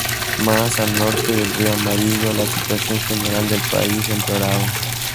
Más al norte del río Amarillo, la situación general del país empeoraba.